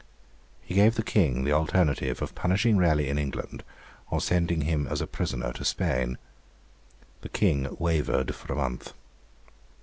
He gave the King the alternative of punishing Raleigh in England or sending him as a prisoner to Spain. The King wavered for a month.